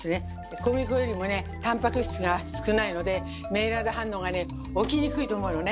小麦粉よりもねタンパク質が少ないのでメイラード反応がね起きにくいと思うのね。